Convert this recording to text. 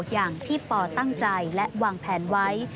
อย่างที่ปอตั้งใจและวางแผนไว้